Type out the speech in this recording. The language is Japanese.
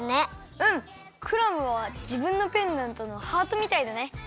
うんクラムはじぶんのペンダントのハートみたいだね。